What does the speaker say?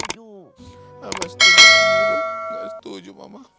maksudnya nggak setuju nggak setuju mama